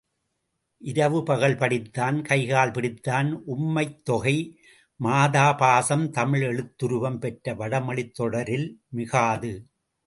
இரவு பகல் படித்தான், கைகால் பிடித்தான் உம்மைத்தொகை, மாதாபாசம் தமிழ் எழுத்துருவம் பெற்ற வடமொழித் தொடரில் மிகாது.